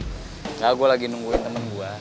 misalnya gue lagi nungguin temen gue